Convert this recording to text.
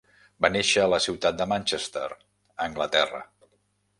Va néixer a la ciutat de Manchester, Anglaterra.